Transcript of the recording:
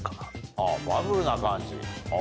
あぁバブルな感じほう。